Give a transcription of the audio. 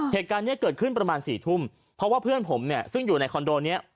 เหตุการณ์นี้เกิดขึ้นประมาณสี่ทุ่มเพราะว่าเพื่อนผมเนี่ยซึ่งอยู่ในคอนโดนี้